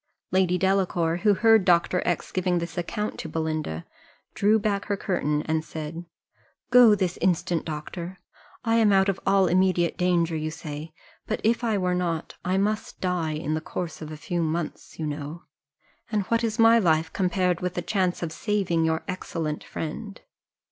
Lady Delacour, who heard Dr. X giving this account to Belinda, drew back her curtain, and said, "Go this instant, doctor I am out of all immediate danger, you say; but if I were not I must die in the course of a few months, you know and what is my life, compared with the chance of saving your excellent friend!